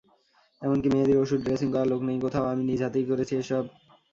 এমনকি মেহেদীর ওষুধ-ড্রেসিং করার লোক নেই কোথাও, আমি নিজ হাতেই করছি এসব।